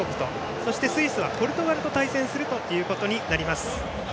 そしてスイスはポルトガルと対戦することになります。